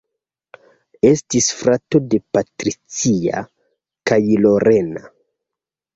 Estis frato de Patricia kaj Lorena.